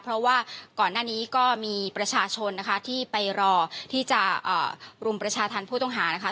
เพราะว่าก่อนหน้านี้ก็มีประชาชนนะคะที่ไปรอที่จะรุมประชาธรรมผู้ต้องหานะคะ